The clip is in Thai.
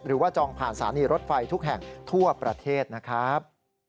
หรือว่าจองผ่านสารณีรถไฟทุกแห่งทั่วประเทศนะครับ